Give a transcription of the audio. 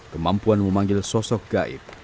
kemampuan memanggil sosok gaib